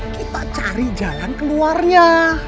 kita cari jalan keluarnya